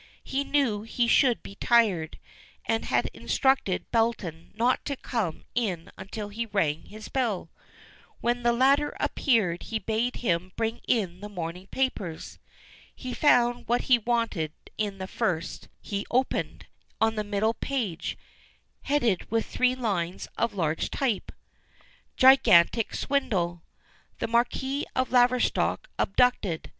He knew he should be tired, and had instructed Belton not to come in until he rang his bell. When the latter appeared he bade him bring in the morning papers. He found what he wanted in the first he opened, on the middle page, headed with three lines of large type: GIGANTIC SWINDLE. THE MARQUIS OF LAVERSTOCK ABDUCTED.